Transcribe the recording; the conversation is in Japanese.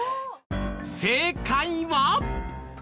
正解は。